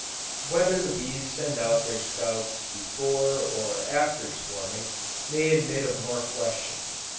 Whether the bees send out their scouts before or after swarming, may admit of more question.